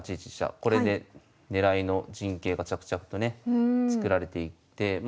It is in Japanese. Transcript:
これでねらいの陣形が着々とね作られていってまあ